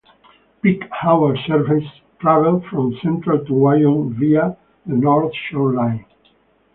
Peak-hour services travel from Central to Wyong via the North Shore line.